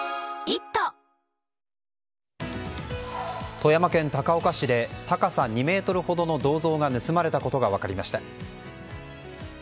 富山県高岡市で高さ２ｍほどの銅像が盗まれたことが分かりました。